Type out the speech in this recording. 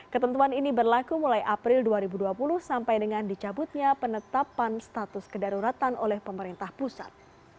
ketentuan ini berlaku mulai april dua ribu dua puluh sampai dengan dicabutnya penetapan status kedaruratan oleh pemerintah pusat